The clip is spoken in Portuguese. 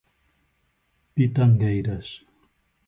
Pitangueiras